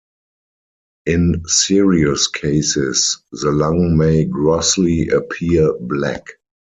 In serious cases, the lung may grossly appear black.